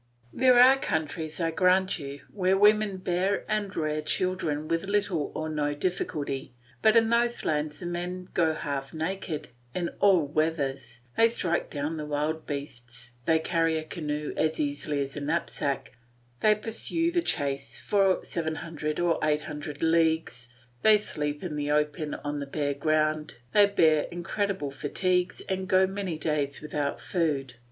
There are countries, I grant you, where women bear and rear children with little or no difficulty, but in those lands the men go half naked in all weathers, they strike down the wild beasts, they carry a canoe as easily as a knapsack, they pursue the chase for 700 or 800 leagues, they sleep in the open on the bare ground, they bear incredible fatigues and go many days without food.